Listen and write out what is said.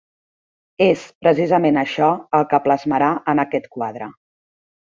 És precisament això el que plasmarà en aquest quadre.